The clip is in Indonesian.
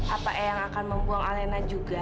apa yang akan membuang alena juga